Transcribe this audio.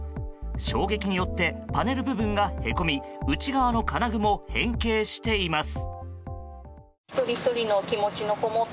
衝撃によってパネル部分がへこみ内側の金具も変形しています。